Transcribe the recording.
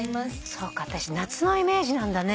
そうか私夏のイメージなんだね。